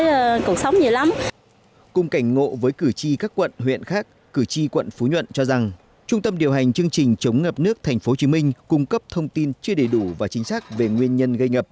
đó là số liệu trong báo cáo của trung tâm điều hành chương trình chống ngập nước tp hcm cung cấp thông tin chưa đầy đủ và chính xác về nguyên nhân gây ngập